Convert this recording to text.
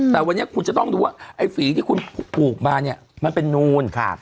แต่วันนี้คุณจะต้องดูว่าไอ้ฝีที่คุณผูกมาเนี่ยมันเป็นนูน